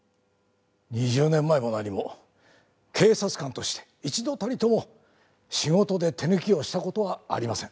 ２０年前も何も警察官として一度たりとも仕事で手抜きをした事はありません。